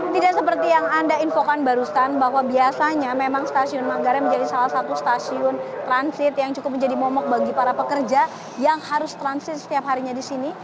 tidak seperti yang anda infokan barusan bahwa biasanya memang stasiun manggarai menjadi salah satu stasiun transit yang cukup menjadi momok bagi para pekerja yang harus transit setiap harinya di sini